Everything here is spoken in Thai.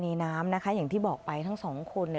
ในน้ำอย่างที่บอกไปทั้งสองคน